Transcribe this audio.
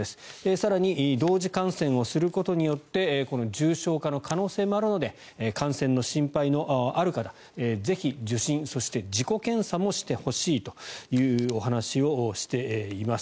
更に同時感染をすることによって重症化の可能性もあるので感染の心配のある方ぜひ、受診そして、自己検査もしてほしいというお話をしています。